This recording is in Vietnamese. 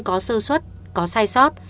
có sơ suất có sai sót